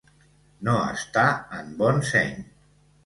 No estar en bon seny.